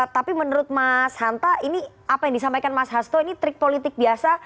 tapi menurut mas hanta ini apa yang disampaikan mas hasto ini trik politik biasa